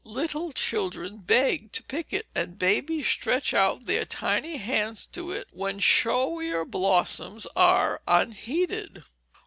Little children beg to pick it, and babies stretch out their tiny hands to it when showier blossoms are unheeded.